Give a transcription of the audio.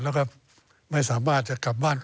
แล้วก็ไม่สามารถจะกลับบ้าน